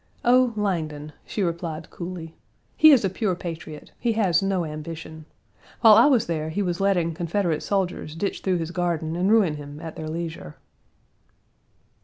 "Oh, Langdon!" she replied coolly, "he is a pure patriot; he has no ambition. While I was there, he was letting Confederate soldiers ditch through his garden and ruin him at their leisure."